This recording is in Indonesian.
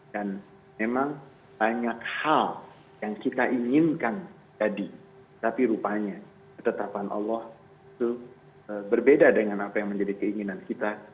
dan memang banyak hal yang kita inginkan jadi tapi rupanya ketetapan allah itu berbeda dengan apa yang menjadi keinginan kita